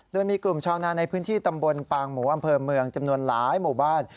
โดยมีกลุ่มชาวนาในพื้นที่ตำบลปางหมูอำเภอเมืองจำนวนหลายหมู่บ้าน